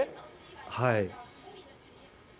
はい。